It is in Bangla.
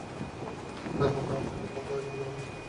আমার বন্ধু আপনাকে কল করার জন্য কত কষ্ট করেছে জানেন?